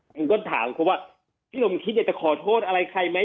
ผมก็ถามเขาว่าพี่ลมคิดอยากจะขอโทษอะไรใครไหม